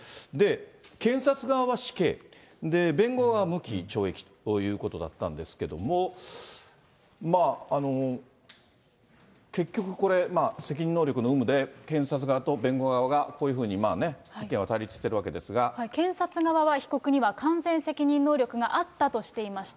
検察側は死刑、弁護側が無期懲役ということだったんですけれども、結局これ、責任能力の有無で、検察側と弁護側がこういうふうに意見は対立しているわけなんです検察側は被告には完全責任能力があったとしていました。